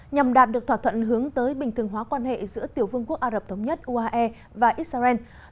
nhằm đạt được thỏa thuận hướng tới bình thường hóa quan hệ giữa tiểu vương quốc ả rập thống nhất uae và israel